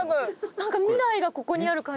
なんか未来がここにある感じ。